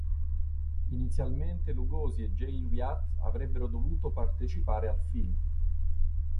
Inizialmente Lugosi e Jane Wyatt avrebbero dovuto partecipare al film.